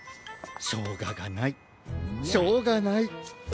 しょうががないしょうがない。